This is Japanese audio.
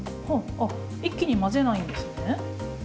あ一気に混ぜないんですね。